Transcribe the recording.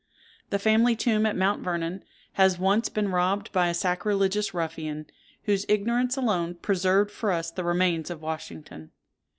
The family tomb at Mount Vernon has once been robbed by a sacrilegious ruffian, whose ignorance alone preserved for us the remains of Washington.